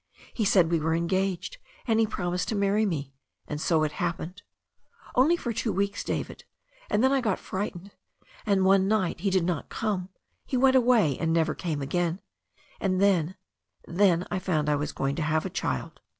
He said we were engaged, and he promised to marry me— and so it hap pened. Only for two weeks, David, and then I got fright ened. And one night he did not come — ^he went away and never came again. And then — ^then I found I was going to have a child."